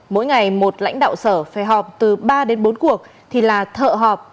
mỗi ngày một lãnh đạo sở phải họp từ ba đến bốn cuộc thì là thợ họp